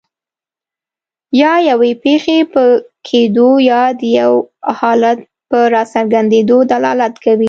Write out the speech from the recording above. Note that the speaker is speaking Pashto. یا یوې پېښې په کیدو یا د یو حالت په راڅرګندیدو دلالت کوي.